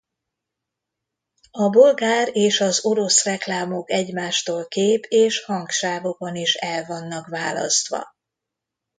A bolgár és az orosz reklámok egymástól kép- és hangsávokon is el vannak választva.